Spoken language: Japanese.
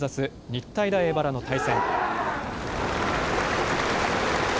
日体大荏原の対戦。